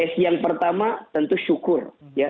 yang pertama tentu syukur